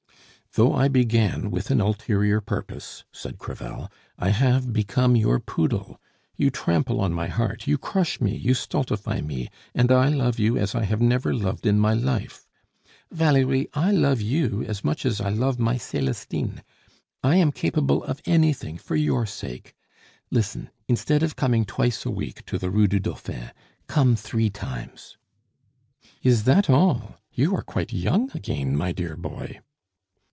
"Though I began with an ulterior purpose," said Crevel, "I have become your poodle. You trample on my heart, you crush me, you stultify me, and I love you as I have never loved in my life. Valerie, I love you as much as I love my Celestine. I am capable of anything for your sake. Listen, instead of coming twice a week to the Rue du Dauphin, come three times." "Is that all! You are quite young again, my dear boy!"